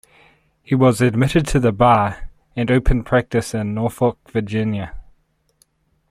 He was admitted to the bar and opened practice in Norfolk, Virginia.